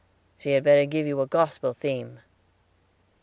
"She had better give you a gospel theme."